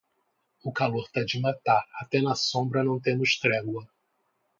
O calor tá de matar, até na sombra não temos trégua.